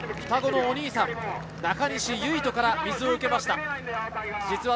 双子のお兄さん・中西唯翔から水を受けました。